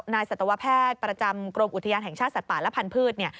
สัตวแพทย์ประจำกรมอุทยานแห่งชาติสัตว์ป่าและพันธุ์